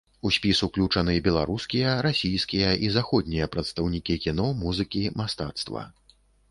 У спіс уключаны беларускія, расійскія і заходнія прадстаўнікі кіно, музыкі, мастацтва.